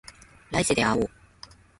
来世で会おう